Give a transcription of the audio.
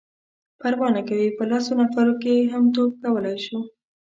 _پروا نه کوي،. په لسو نفرو هم توپ کولای شو.